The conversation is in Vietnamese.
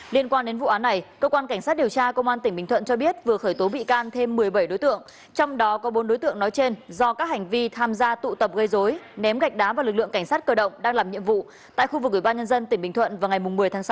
liên quan đến vụ án này cơ quan cảnh sát điều tra công an tỉnh bình thuận cho biết vừa khởi tố bị can thêm một mươi bảy đối tượng trong đó có bốn đối tượng nói trên do các hành vi tham gia tụ tập gây dối ném gạch đá vào lực lượng cảnh sát cơ động đang làm nhiệm vụ tại khu vực ủy ban nhân dân tỉnh bình thuận vào ngày một mươi tháng sáu